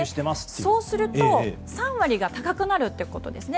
そうすると、３割が高くなるということですね。